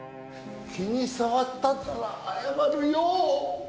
気に障ったんなら謝るよ。